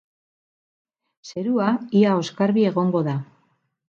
Zerua ia oskarbi egongo da.